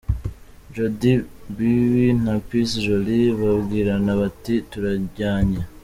Jody Phibi na Peace Jolis babwirana bati "turajyanye".